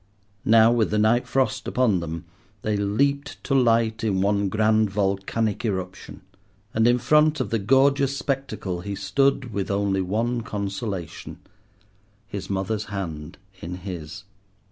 Now with the night frost upon them, they leaped to light in one grand volcanic eruption. And in front of the gorgeous spectacle he stood with only one consolation—his mother's hand in his.